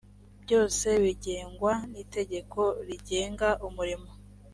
byose bigengwa n ‘itegeko rigenga umurimo.